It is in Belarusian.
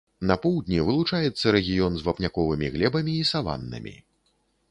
На поўдні вылучаецца рэгіён з вапняковымі глебамі і саваннамі.